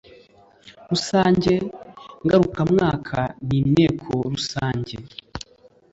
rusange ngarukamwaka ni inteko rusange